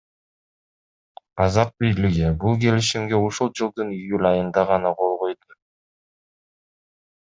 Казак бийлиги бул келишимге ушул жылдын июль айында гана кол койду.